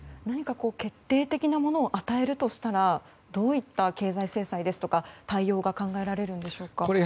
何か決定的なものを与えるとしたらどういった経済制裁ですとか対応が考えられるんでしょう。